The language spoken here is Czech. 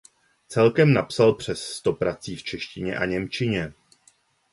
Celkem napsal přes sto prací v češtině a němčině.